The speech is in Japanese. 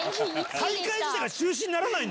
大会自体が中止にならないんだ？